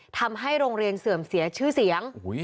ทำให้โรงเรียนเสื่อมเสียชื่อเสียง